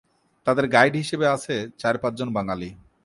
তাদের গাইড হিসেবে আছে চার-পাঁচজন বাঙালি।